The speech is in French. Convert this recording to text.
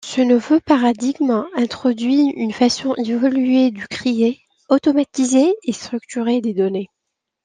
Ce nouveau paradigme introduit une façon évoluée de créer, automatiser et structurer des données.